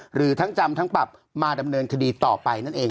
หรือทั้งจำทั้งปรับมาดำเนินคดีต่อไปนั่นเอง